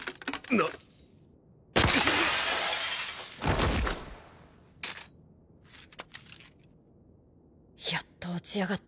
やっと落ちやがったか。